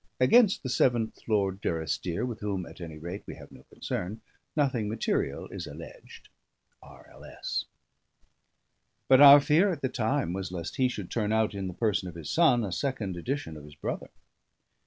Against the seventh Lord Durrisdeer (with whom, at any rate, we have no concern) nothing material is alleged_. R. L. S.] ... But our fear at the time was lest he should turn out, in the person of his son, a second edition of his brother.